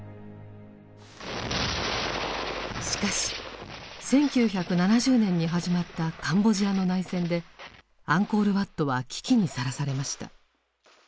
しかし１９７０年に始まったカンボジアの内戦でアンコール・ワットは危機にさらされました。